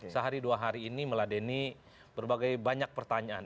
sehari dua hari ini meladeni berbagai banyak pertanyaan